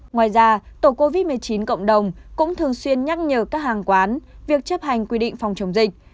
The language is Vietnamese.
ngoài ra tổ covid một mươi chín cộng đồng cũng thường xuyên nhắc nhở các hàng quán việc chấp hành quy định phòng chống dịch